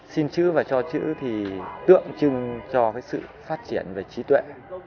xin chữ và cho chữ thì tượng trưng cho cái sự phát triển về trí tuệ